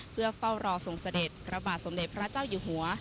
เพื่อเฝ้ารอส่งเสด็จพระบาทสมเด็จพระเจ้าอยู่หัว